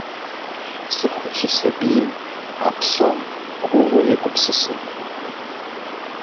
Цӏыхур щысабийм а псом куууэ егупсысыркъым.